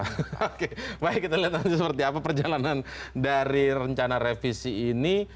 oke baik kita lihat nanti seperti apa perjalanan dari rencana revisi ini